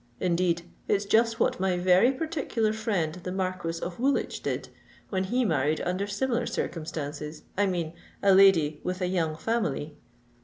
Indeed, it's just what my very particular friend the Marquis of Woolwich did, when he married under similar circumstances—I mean a lady with a young family."